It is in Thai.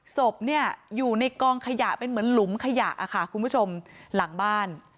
ศพอยู่ในกล้องขยะเป็นเหมือนหลุมขยะคุณผู้ชมหลังบ้าน